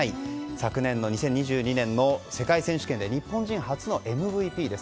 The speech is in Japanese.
昨年の２０２２年の世界選手権で日本人初のＭＶＰです。